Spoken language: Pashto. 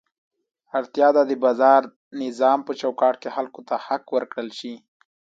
اړتیا ده د بازار نظام په چوکاټ کې خلکو ته حق ورکړل شي.